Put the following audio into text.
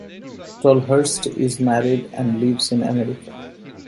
Tolhurst is married and lives in America.